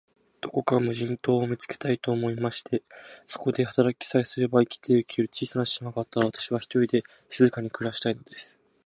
どこか無人島を見つけたい、と思いました。そこで働きさえすれば、生きてゆける小さな島があったら、私は、ひとりで静かに暮したいのです。